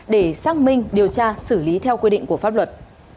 để xác minh điều tra xử lý theo quy định của pháp luật